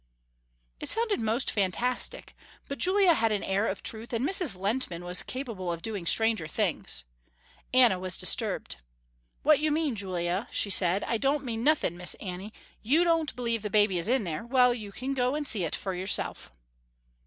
It sounded most fantastic, but Julia had an air of truth and Mrs. Lehntman was capable of doing stranger things. Anna was disturbed. "What you mean Julia," she said. "I don't mean nothin' Miss Annie, you don't believe the baby is in there, well you can go and see it for yourself."